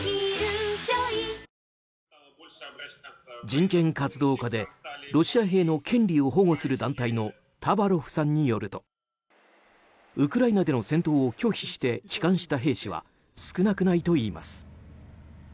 人権活動家でロシア兵の権利を保護する団体のタバロフさんによるとウクライナでの戦闘を拒否して帰還した兵士は少なくないといいます。